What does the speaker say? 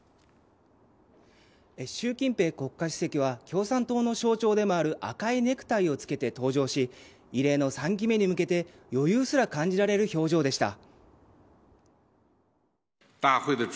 習近平国家主席は共産党の象徴でもある赤いネクタイを付けて登場し異例の３期目に向けて余裕すら感じられる表情でした。